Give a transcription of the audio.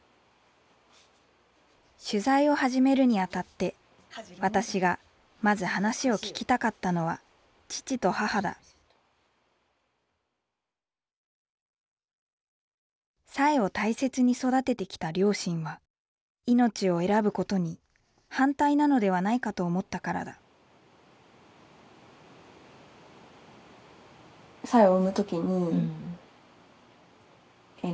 取材を始めるにあたって私がまず話を聞きたかったのは父と母だ彩英を大切に育ててきた両親は命を選ぶことに反対なのではないかと思ったからだえっ